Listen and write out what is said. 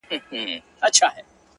o ستا سترگي دي ـ